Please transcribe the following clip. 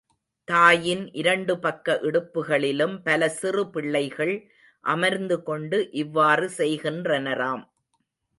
தாயின் இரண்டு பக்க இடுப்புகளிலும் பல சிறு பிள்ளைகள் அமர்ந்துகொண்டு இவ்வாறு செய்கின்றனராம்.